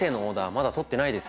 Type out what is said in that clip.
まだとってないですよ。